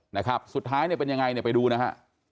นะครับสุดท้ายเนี่ยเป็นยังไงเนี่ยไปดูนะฮะ